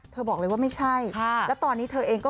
บอกเลยว่าไม่ใช่แล้วตอนนี้เธอเองก็